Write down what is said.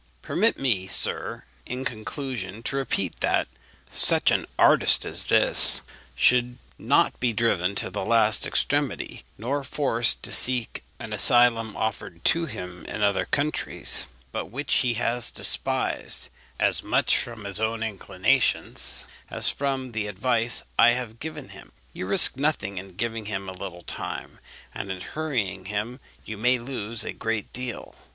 "Permit me, sir, in conclusion, to repeat, that such an artist as this should not be driven to the last extremity, nor forced to seek an asylum offered to him in other countries, but which he has despised, as much from his own inclinations as from the advice I have given him. You risk nothing in giving him a little time, and in hurrying him you may lose a great deal.